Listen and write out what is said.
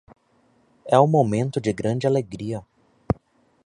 É um momento de grande alegria